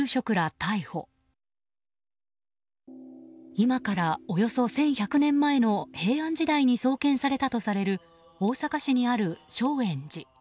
今からおよそ１１００年前の平安時代に創建されたとされる大阪市にある正圓寺。